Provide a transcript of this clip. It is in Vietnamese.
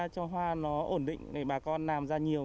cho hoa nó ổn định này bà con làm ra nhiều